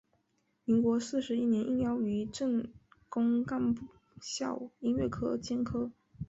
民国四十一年应邀于政工干校音乐科兼课。